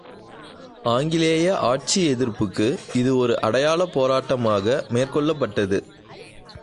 ஆங்கிலேய ஆட்சி எதிர்ப்புக்கு இது ஒரு அடையாளப் போராட்டமாக மேற்கொள்ளப்பட்டது.